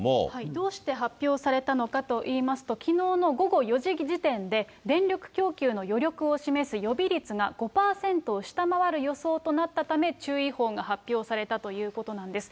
どうして発表されたのかといいますと、きのうの午後４時時点で、電力供給の余力を示す予備率が５％を下回る予想となったため、注意報が発表されたということなんです。